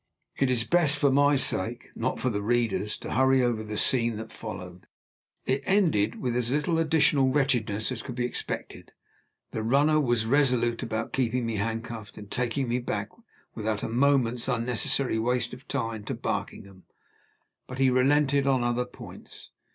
It is best for my sake, if not for the reader's, to hurry over the scene that followed. It ended with as little additional wretchedness as could be expected. The runner was resolute about keeping me handcuffed, and taking me back, without a moment's unnecessary waste of time to Barkingham; but he relented on other points.